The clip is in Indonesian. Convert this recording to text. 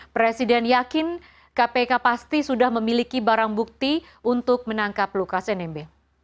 presiden yakin kpk pasti sudah memiliki barang bukti untuk menangkap lukas nmb